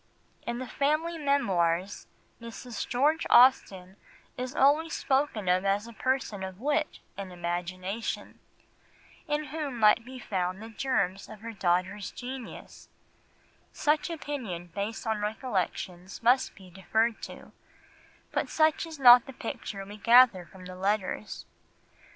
In the family memoirs, Mrs. George Austen is always spoken of as a person of wit and imagination, in whom might be found the germs of her daughter's genius; such opinion based on recollections must be deferred to, but such is not the picture we gather from the letters.